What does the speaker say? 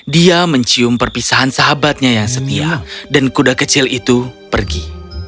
dia mencium perpisahan sahabatnya yang setia dan kuda kecil itu pergi